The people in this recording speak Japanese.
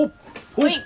はい！